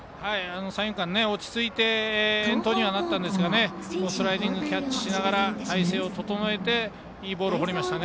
三遊間、落ち着いて遠投にはなったんですがスライディングキャッチしながら体勢を整えていいボールを放りました。